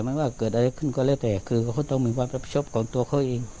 ไม่ว่าเกิดอะไรขึ้นก็แล้วแต่คือเขาก็ต้องมีความรับผิดชอบของตัวเขาเอง